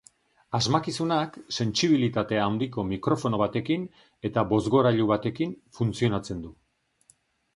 Asmakizunak sentsibilitate handiko mikrofono batekin eta bozgorailu batekin funtzionatzen du.